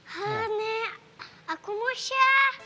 hah nek aku mosya